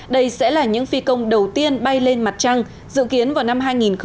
đây sẽ là những phi công đầu tiên bay lên mặt trăng dự kiến vào năm hai nghìn hai mươi